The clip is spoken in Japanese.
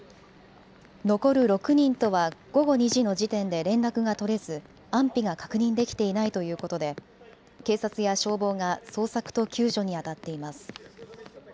残る６人とは午後２時の時点で連絡が取れず安否が確認できていないということで警察や消防が捜索と救助にあたっています。